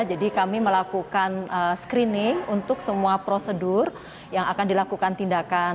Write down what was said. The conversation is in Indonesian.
jadi kami melakukan screening untuk semua prosedur yang akan dilakukan tindakan